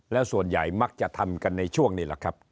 แล้วส่วนใหญ่มักจะทำกันในช่วงนี้แหละครับ